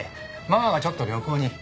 ママがちょっと旅行に。